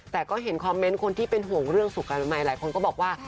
แต่ก็เห็นคอมเมนต์คนที่เป็นห่วงเรื่องสุขอนามัยหลายคนก็บอกว่า